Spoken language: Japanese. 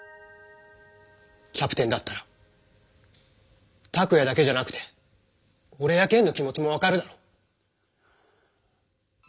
キャプテンだったらタクヤだけじゃなくておれやケンの気持ちもわかるだろ？